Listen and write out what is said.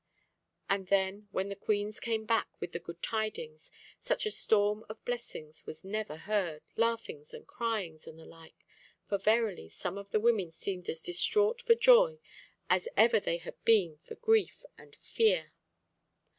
And then when the queens came back with the good tidings, such a storm of blessings was never heard, laughings and cryings, and the like, for verily some of the women seemed as distraught for joy as ever they had been for grief and fear.